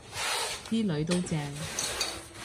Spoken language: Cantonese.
啲囡都正